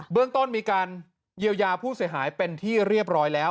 เรื่องต้นมีการเยียวยาผู้เสียหายเป็นที่เรียบร้อยแล้ว